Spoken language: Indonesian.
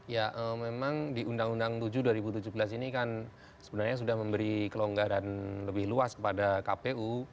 ya memang di undang undang tujuh dua ribu tujuh belas ini kan sebenarnya sudah memberi kelonggaran lebih luas kepada kpu